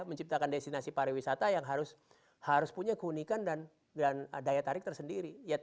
menciptakan destinasi pariwisata yang harus punya keunikan dan daya tarik tersendiri